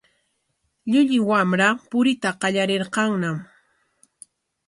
Llullu wamra puriyta qallariykanñam.